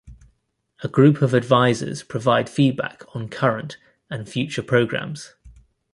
A group of advisers provide feedback on current and future programs.